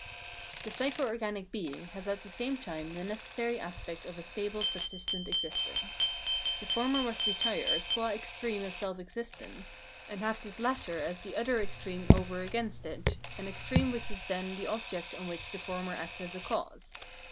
The psycho organic being has at the same time the necessary aspect of a stable subsistent existence. The former must retire, qua extreme of self existence, and have this latter as the other extreme over against it, an extreme which is then the object on which the former acts as a cause.